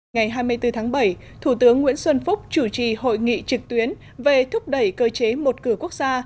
ngày hai mươi bốn tháng bảy thủ tướng nguyễn xuân phúc chủ trì hội nghị trực tuyến về thúc đẩy cơ chế một cửa quốc gia